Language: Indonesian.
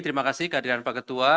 terima kasih keadilan pak getua